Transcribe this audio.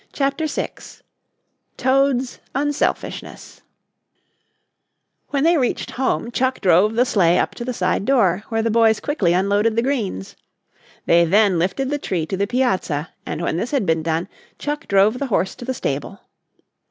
CHAPTER VI TOAD'S UNSELFISHNESS When they reached home Chuck drove the sleigh up to the side door, where the boys quickly unloaded the greens. They then lifted the tree to the piazza and when this had been done Chuck drove the horse to the stable.